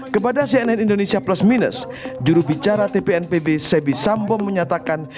kepada cnn indonesia plus minus jurubicara tpnpb sebi sambong menyatakan